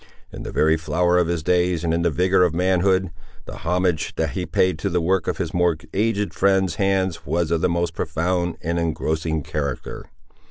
In the very flower of his days and in the vigour of manhood, the homage that he paid to the work of his more aged friend's hands was of the most profound and engrossing character.